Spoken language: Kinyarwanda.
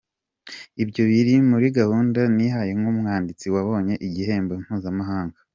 Ibyo biri muri gahunda nihaye nk’umwanditsi wabonye igihembo mpuzamahanga.